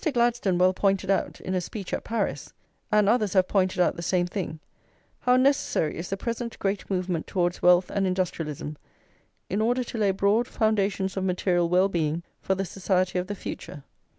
Gladstone well pointed out, in a speech at Paris, and others have pointed out the same thing, how necessary is the present great movement towards wealth and industrialism, in order to lay broad foundations of material well being for the society of the future.